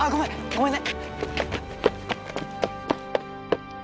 ごめんね！